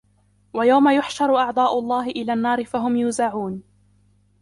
وَيَوْمَ يُحْشَرُ أَعْدَاءُ اللَّهِ إِلَى النَّارِ فَهُمْ يُوزَعُونَ